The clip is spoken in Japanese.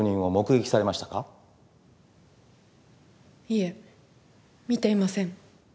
いえ見ていません。